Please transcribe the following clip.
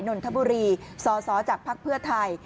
นนทบุรีสสจากภักดิ์เพื่อไทย